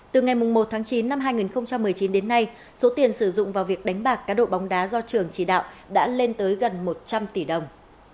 từ ngày một tháng chín năm hai nghìn một mươi chín đến nay số tiền sử dụng vào việc đánh bạc cá độ bóng đá do trường chỉ đạo đã lên tới gần một trăm linh tỷ đồng